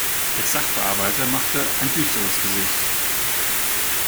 Der Sachbearbeiter machte ein düsteres Gesicht.